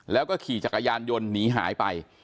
แล้วก็ขี่จักรยานยนต์หนีหายไป